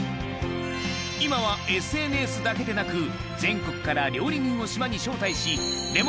禳ＳＮＳだけでなく全国から料理人を島に招待し譽皀鷓惑